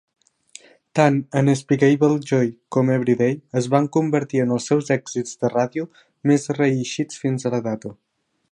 Tant "Unspeakable Joy" com "Everyday" es van convertir en els seus èxits de ràdio més reeixits fins a la data.